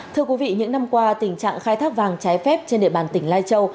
thưa quý vị những năm qua tình trạng khai thác vàng trái phép trên địa bàn tỉnh lai châu